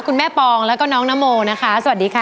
ปองแล้วก็น้องนโมนะคะสวัสดีค่ะ